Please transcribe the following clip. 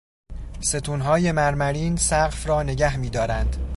ستونهای مرمرین سقف را نگه میدارند.